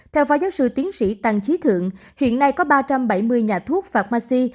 theo phó giáo sư tiến sĩ tăng trí thượng hiện nay có ba trăm bảy mươi nhà thuốc phạm mạc si